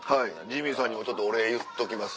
ジミーさんにもお礼言っときます。